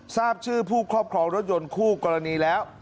ทราบชื่อผู้ครอบครองรถยนต์คู่กรณีแล้ว